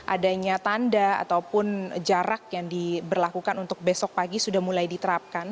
adanya tanda ataupun jarak yang diberlakukan untuk besok pagi sudah mulai diterapkan